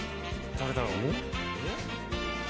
誰だろう？